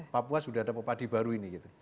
papua sudah ada pepadi baru ini